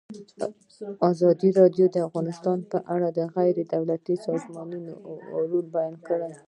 ازادي راډیو د اقتصاد په اړه د غیر دولتي سازمانونو رول بیان کړی.